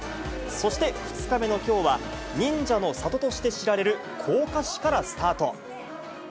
そして２日目のきょうは、忍者の里として知られる甲賀市からスタート。